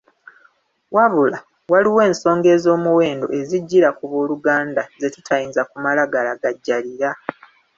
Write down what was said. Wabula, waliwo ensonga ez’omuwendo ezijjira ku booluganda ze tutayinza kumala galagajjalira.